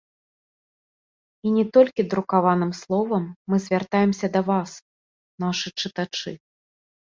І не толькі друкаваным словам мы звяртаемся да вас, нашы чытачы.